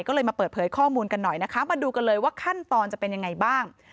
ก็เลยมาเปิดเผยข้อมูลกันหน่อยนะคะมาดูกันเลยว่าขั้นตอนจะเป็นยังไงบ้าง